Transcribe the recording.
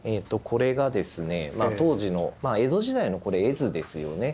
これがですね当時のまあ江戸時代の絵図ですよね。